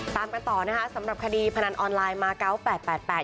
ตามกันต่อนะคะสำหรับคดีพนันออนไลน์มาเก้าแปดแปดแปด